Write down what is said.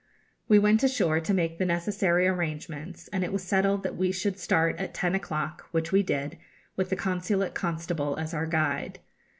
We went ashore to make the necessary arrangements, and it was settled that we should start at ten o'clock, which we did, with the Consulate constable as our guide.